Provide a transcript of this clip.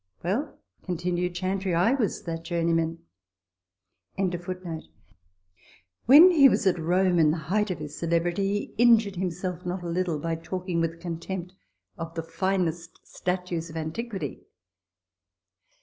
" Well," continued Chantrey, "/ was that journeyman."] When he was at Rome in the height of his celebrity, he injured himself not a little by talking with con tempt * of the finest statues of antiquity.